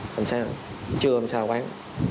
không sao chưa làm sao bán